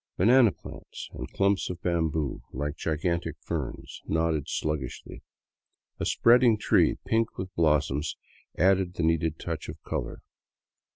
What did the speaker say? Banana plants and clumps of bamboo, like gigantic ferns, nodded sluggishly; a spreading tree pink with blossoms added the needed touch of color.